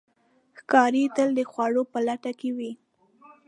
ښکاري تل د خوړو په لټه کې وي.